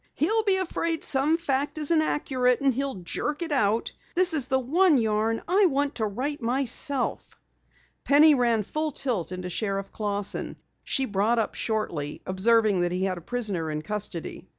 "He'll be afraid some fact isn't accurate and he'll jerk it out. This is the one yarn I want to write myself!" Penny ran full tilt into Sheriff Clausson. She brought up shortly, observing that he had a prisoner in custody.